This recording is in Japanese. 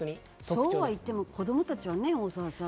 そうは言っても子供たちはね、大沢さん。